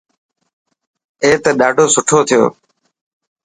اي ته ڏاڌو سٺو ٿيو.